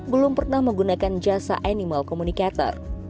belum pernah menggunakan jasa animal communicator